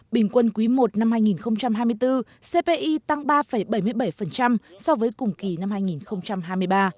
bình quân quý i năm hai nghìn hai mươi bốn cpi tăng ba bảy mươi bảy so với cùng kỳ năm hai nghìn hai mươi ba